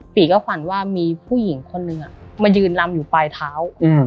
ปีก็ฝันว่ามีผู้หญิงคนนึงมายืนลำอยู่ปลายเท้า